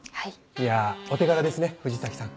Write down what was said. いやお手柄ですね藤崎さん。